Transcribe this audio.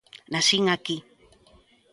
Nacín aquí.